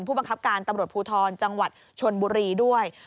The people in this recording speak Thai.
ผู้บังคับการตำรวจภูทรจังหวัดชนบุรีด้วย